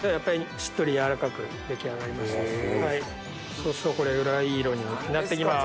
そうするとこれぐらいいい色になってきます。